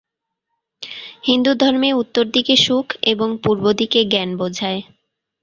হিন্দু ধর্মে উত্তর দিকে সুখ এবং পূর্ব দিকে জ্ঞান বোঝায়।